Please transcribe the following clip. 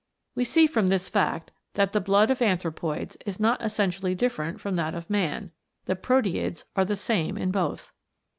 We see from this fact that the blood of anthropoids is not essentially different from that of man. The proteids are the same in both.